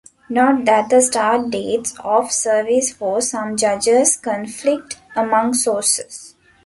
Note that the start dates of service for some judges conflict among sources.